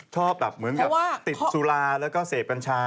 ชอบแบบเหมือนกับติดสุราแล้วก็เสพกัญชา